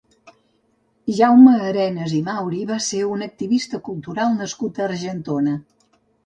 Jaume Arenas i Mauri va ser un activista cultural nascut a Argentona.